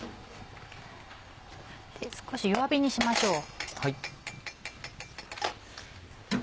少し弱火にしましょう。